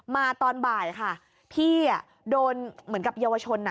มาตอนบ่ายค่ะพี่โดนเหมือนกับเยาวชน